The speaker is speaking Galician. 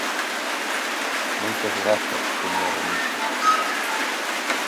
Moitas grazas, señor Remixio.